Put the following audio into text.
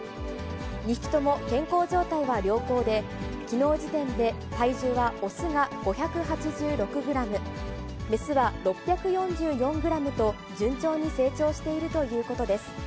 ２匹とも健康状態は良好で、きのう時点で体重は雄が５８６グラム、雌は６６４グラムと、順調に成長しているということです。